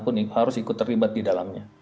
kuning harus ikut terlibat di dalamnya